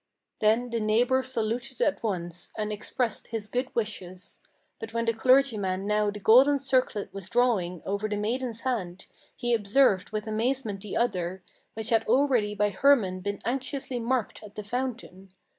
Then the neighbor saluted at once, and expressed his good wishes; But when the clergyman now the golden circlet was drawing Over the maiden's hand, he observed with amazement the other, Which had already by Hermann been anxiously marked at the fountain.